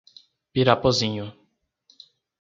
Pirapozinho